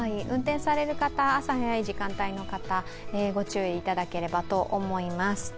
運転される方、朝早い時間帯の方ご注意いただければと思います。